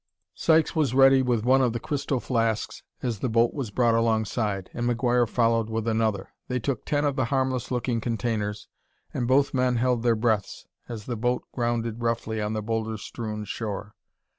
Sykes was ready with one of the crystal flasks as the boat was brought alongside, and McGuire followed with another. They took ten of the harmless looking containers, and both men held their breaths as the boat grounded roughly on the boulder strewn shore.